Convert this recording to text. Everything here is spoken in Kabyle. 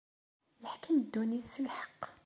Iḥkem ddunit s lḥeqq.